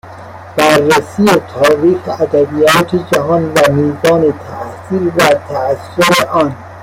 بررسی تاریخ ادبیات جهان و میزان تاثیر و تاثر آن